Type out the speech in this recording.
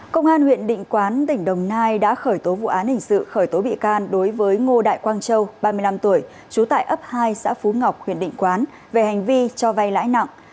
công an huyện định quán tỉnh đồng nai đã khởi tố vụ án hình sự khởi tố bị can đối với ngô đại quang châu ba mươi năm tuổi trú tại ấp hai xã phú ngọc huyện định quán về hành vi cho vay lãi nặng